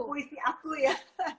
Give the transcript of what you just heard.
buku puisi aku ya